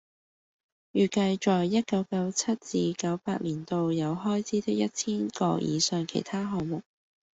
預計在一九九七至九八年度有開支的一千個以上其他項目